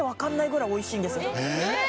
えっ！？